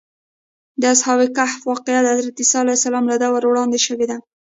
د اصحاب کهف واقعه د حضرت عیسی له دور وړاندې شوې ده.